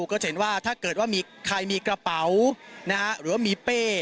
ก็จะเห็นว่าถ้าเกิดว่ามีใครมีกระเป๋าหรือว่ามีเป้